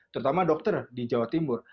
terutama dokter di jawa timur